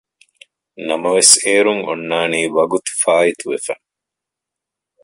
ނަމަވެސް އޭރު އޮންނަނީ ވަގުތުފާއިތުވެފަ